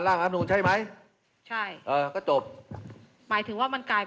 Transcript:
สถานการณ์จะไม่ไปจนถึงขั้นนั้นครับ